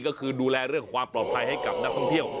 ก็คือดูแลเรื่องความปลอดภัยให้กับนักท่องเที่ยว